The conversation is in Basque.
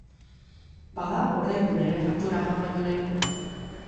Bada ordaindu nire faktura joan baino lehen!